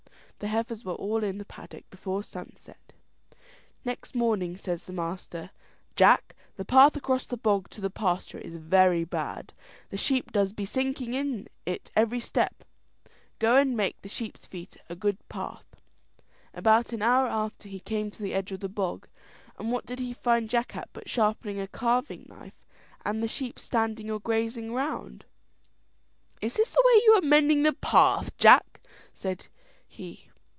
The heifers were all in the paddock before sunset. Next morning, says the master, "Jack, the path across the bog to the pasture is very bad; the sheep does be sinking in it every step; go and make the sheep's feet a good path." About an hour after he came to the edge of the bog, and what did he find Jack at but sharpening a carving knife, and the sheep standing or grazing round. "Is this the way you are mending the path, Jack?" said he.